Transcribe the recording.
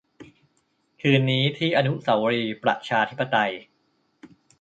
คืนนี้ที่อนุสาวรีย์ประชาธิปไตย